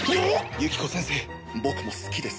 ユキコ先生僕も好きです。